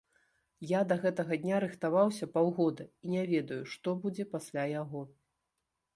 Я да гэтага дня рыхтаваўся паўгода, і не ведаю, што будзе пасля яго.